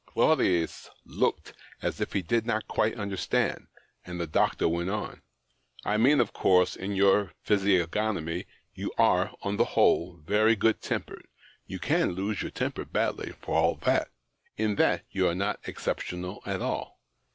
Claudius looked as if he did not quite understand, and the doctor went on —" I mean, of course, in your physiognomy. You are, on the whole, very good tempered ; you can lose your temper badly, for all that. In that you are not exceptional at all.